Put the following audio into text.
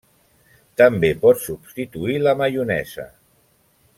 També pot substituir la maionesa.